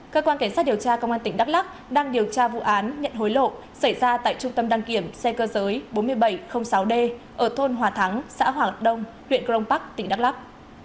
cơ quan kiểm soát điều tra công an tỉnh đắk lắk đang điều tra vụ án nhận hối lộ xảy ra tại trung tâm đăng kiểm xe cơ giới bốn nghìn bảy trăm linh sáu d ở thôn hòa thắng xã hoàng đông huyện crong park tỉnh đắk lắk